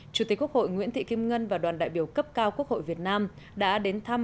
chủ tịch quốc hội nguyễn thị kim ngân và đoàn đại biểu cấp cao quốc hội việt nam đã đến thăm